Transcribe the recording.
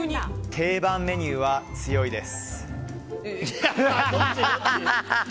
定番メニューは強いです。